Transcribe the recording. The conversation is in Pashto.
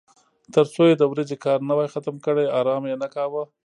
تر څو یې د ورځې کار نه وای ختم کړی ارام یې نه کاوه.